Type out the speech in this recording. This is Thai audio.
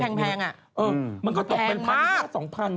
ที่แพงอะมันก็ตกเป็น๑๐๐๐๒๐๐๐บาท